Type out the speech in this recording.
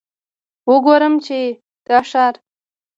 وګورم چې دا ښار.